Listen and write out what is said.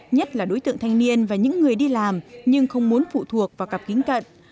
nhất là đối tượng thanh niên và những người đi làm nhưng không muốn phụ thuộc vào cặp kính cận